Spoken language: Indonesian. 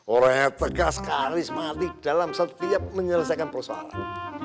orang yang tegas karismatik dalam setiap menyelesaikan persoalan